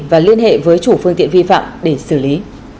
và liên hệ với chủ phương tiện vi phạm để xử lý